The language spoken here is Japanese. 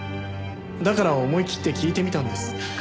だから思い切って聞いてみたんです。